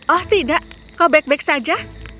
oh tidak kau baik baik saja